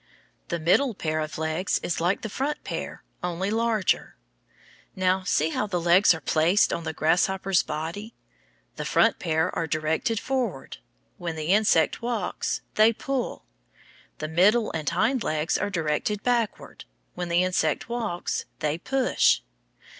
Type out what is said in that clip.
The middle pair of legs is like the front pair, only larger. Now, see how the legs are placed on the grasshopper's body. The front pair are directed forward. When the insect walks, they pull. The middle and hind legs are directed backward. When the insect walks, they push.